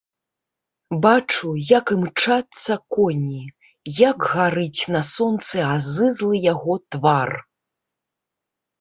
Бачу, як імчацца коні, як гарыць на сонцы азызлы яго твар.